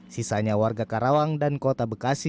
sisanya warga karawang dan kota bekasi